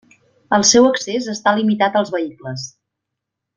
El seu accés està limitat als vehicles.